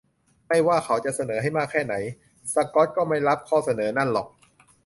ไม่ว่าเขาจะเสนอให้มากแค่ไหน สกอตก็ไม่รับข้อเสนอนั่นหรอก